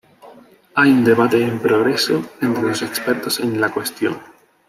Hay un debate en progreso entre los expertos en la cuestión.